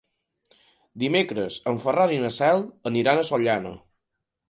Dimecres en Ferran i na Cel aniran a Sollana.